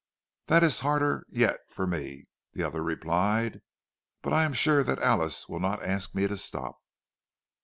"That is harder yet for me," the other replied. "But I am sure that Alice would not ask me to stop."